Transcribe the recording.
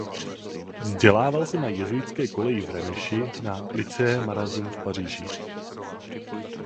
Vzdělával se na jezuitské koleji v Remeši a na Lycée Mazarin v Paříži.